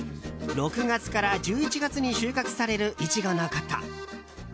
６月から１１月に収穫されるイチゴのこと。